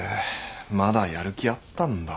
まだやる気あったんだ。